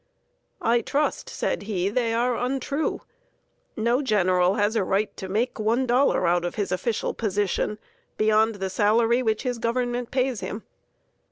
"I trust," said he, "they are untrue. No general has a right to make one dollar out of his official position, beyond the salary which his Government pays him."